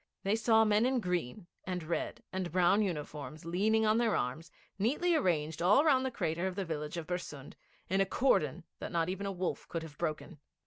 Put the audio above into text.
They saw men in green, and red, and brown uniforms, leaning on their arms, neatly arranged all round the crater of the village of Bersund, in a cordon that not even a wolf could have broken.